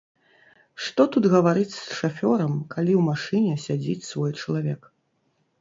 Што тут гаварыць з шафёрам, калі ў машыне сядзіць свой чалавек!